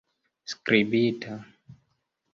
skribita